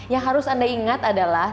yang harus anda ingat adalah